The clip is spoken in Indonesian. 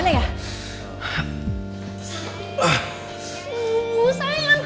jadinya aku langsung sini